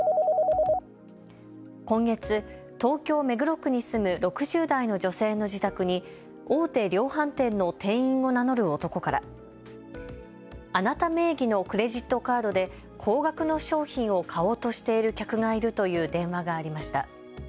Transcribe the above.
今月、東京・目黒区に住む６０代の女性の自宅に大手量販店の店員を名乗る男からあなた名義のクレジットカードで高額の商品を買おうとしている客がいるという電話がありました。